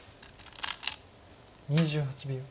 ２８秒。